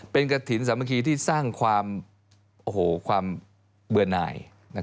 เป็นกระถิ่นสามัคคีที่สร้างความเบื่อหน่าย